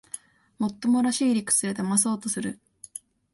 もっともらしい理屈でだまそうとする